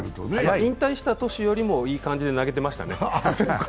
引退した年よりもいい感じで投げてましたね。